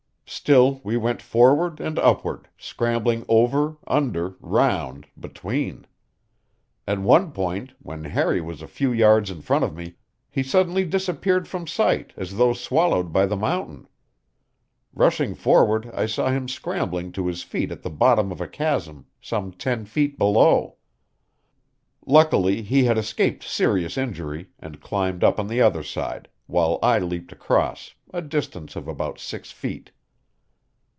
Still we went forward and upward, scrambling over, under, round, between. At one point, when Harry was a few yards in front of me, he suddenly disappeared from sight as though swallowed by the mountain. Rushing forward, I saw him scrambling to his feet at the bottom of a chasm some ten feet below. Luckily he had escaped serious injury, and climbed up on the other side, while I leaped across a distance of about six feet.